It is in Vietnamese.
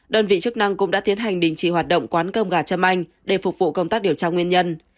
đơn vị chức năng cũng đã tiến hành đình chỉ hoạt động quán cơm gà châm anh để phục vụ công tác điều tra nguyên nhân